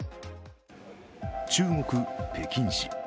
中国・北京市。